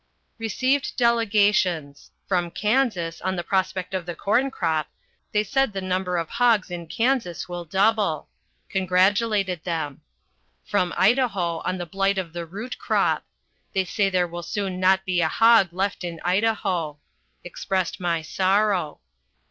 Received delegations. From Kansas, on the prospect of the corn crop: they said the number of hogs in Kansas will double. Congratulated them. From Idaho, on the blight on the root crop: they say there will soon not be a hog left in Idaho. Expressed my sorrow.